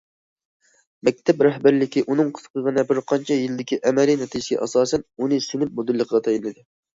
مەكتەپ رەھبەرلىكى ئۇنىڭ قىسقىغىنە بىر قانچە يىلدىكى ئەمەلىي نەتىجىسىگە ئاساسەن، ئۇنى سىنىپ مۇدىرلىقىغا تەيىنلىدى.